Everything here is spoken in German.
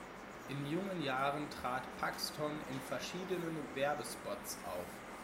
In jungen Jahren trat Paxton in verschiedenen Werbespots auf.